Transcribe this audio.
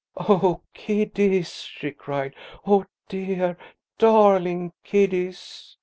"Oh, kiddies!" she cried. "Oh, dear, darling kiddies!"